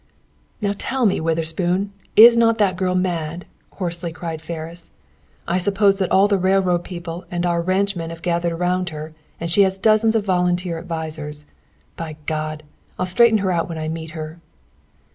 "Now, tell me, Witherspoon, is not that girl mad?" hoarsely cried Ferris. "I suppose that all the railroad people and our ranch men have gathered around her, and she has dozens of volunteer advisers. By God! I'll straighten her out when I meet her."